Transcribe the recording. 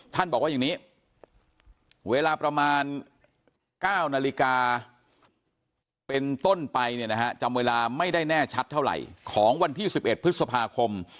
บอกว่าอย่างนี้เวลาประมาณ๙นาฬิกาเป็นต้นไปเนี่ยนะฮะจำเวลาไม่ได้แน่ชัดเท่าไหร่ของวันที่๑๑พฤษภาคม